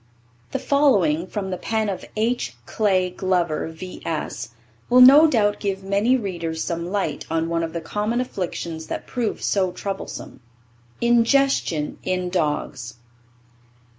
The following from the pen of H. Clay Glover, V. S., will no doubt give many readers some light on one of the common afflictions that prove so troublesome. INDIGESTION IN DOGS.